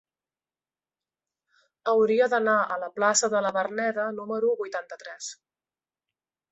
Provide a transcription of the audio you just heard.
Hauria d'anar a la plaça de la Verneda número vuitanta-tres.